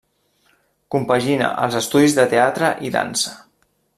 Compagina els estudis de teatre i dansa.